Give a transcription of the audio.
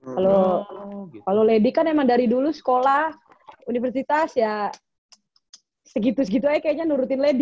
kalau lady dari dulu ya kan sekolah universitas ya segitu segitu aja kayaknya nurutin lady